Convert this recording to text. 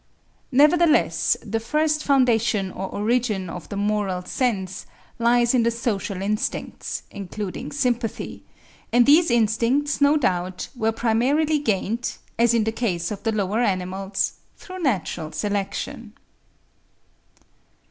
Nevertheless the first foundation or origin of the moral sense lies in the social instincts, including sympathy; and these instincts no doubt were primarily gained, as in the case of the lower animals, through natural selection.